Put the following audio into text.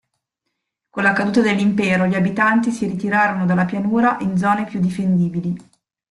Con la caduta dell'Impero, gli abitanti si ritirarono dalla pianura in zone più difendibili.